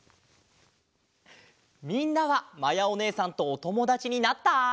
みんなはまやおねえさんとおともだちになった？